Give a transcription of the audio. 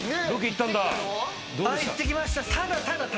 行ってきました。